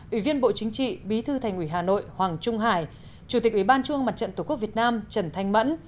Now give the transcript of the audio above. ủy viên bộ chính trị bí thư thành ủy hà nội hoàng trung hải chủ tịch ủy ban trung mặt trận tổ quốc việt nam trần thanh mẫn